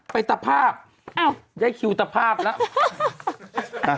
ไปตรภาพยัยคิวตรภาพละ